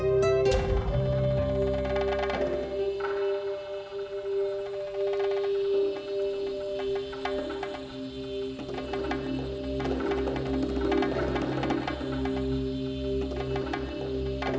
ini terlalu langsung ya